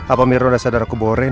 apa mirno udah sadar aku borena